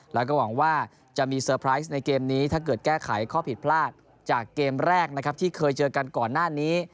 แล้วก็หวังว่าจะมีเซอร์ไพรส์ในเกมนี้ถ้าเกิดแก้ไขข้อผิดพลาดจากเกมแรกนะครับที่เคยเจอกันก่อนหน้านี้